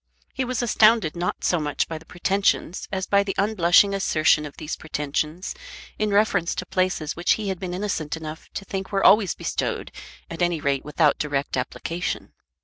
He was astounded not so much by the pretensions as by the unblushing assertion of these pretensions in reference to places which he had been innocent enough to think were always bestowed at any rate without direct application.